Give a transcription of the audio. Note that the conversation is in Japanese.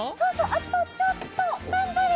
あとちょっとがんばれ。